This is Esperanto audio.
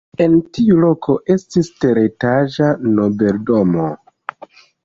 En tiu loko estis teretaĝa nobeldomo.